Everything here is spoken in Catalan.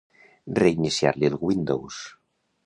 Reiniciar-li el Windows.